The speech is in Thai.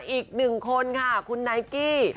อีกหนึ่งคนค่ะคุณไนกี้